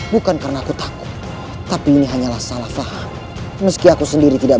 bukan karena aku takut tapi ini hanyalah salah faham meski aku sendiri tidak